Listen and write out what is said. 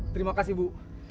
terima kasih ibu